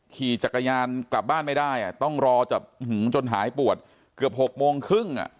ขี่จักรยานกลับบ้านไม่ได้ต้องรอจับจนหายปวดเกือบ๖โมงครึ่ง